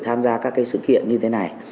tham gia các sự kiện như thế này